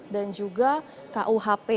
dan juga kuhp